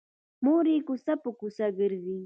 مور یې کوڅه په کوڅه ګرځي